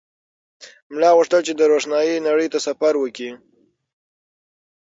ملا غوښتل چې د روښنایۍ نړۍ ته سفر وکړي.